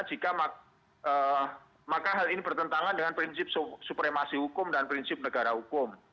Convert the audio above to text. jika maka hal ini bertentangan dengan prinsip supremasi hukum dan prinsip negara hukum